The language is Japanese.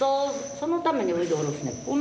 そのためにおいど下ろすねん。